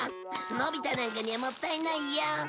のび太なんかにはもったいないよ。